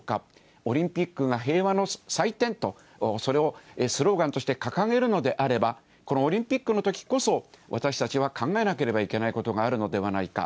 オリンピックが平和の祭典と、それをスローガンとして掲げるのであれば、このオリンピックのときこそ、私たちは考えなければいけないことがあるのではないか。